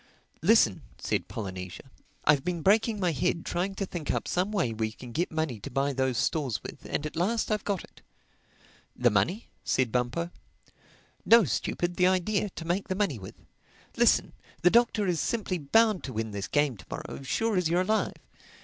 "Listen," said Polynesia, "I've been breaking my head trying to think up some way we can get money to buy those stores with; and at last I've got it." "The money?" said Bumpo. "No, stupid. The idea—to make the money with. Listen: the Doctor is simply bound to win this game to morrow, sure as you're alive.